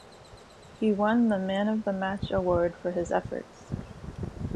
He won the Man of the Match award for his efforts.